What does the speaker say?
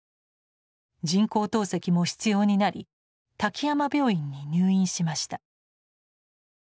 人工透析も必要になり滝山病院に入院しました。